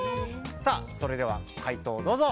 さあそれではかい答をどうぞ！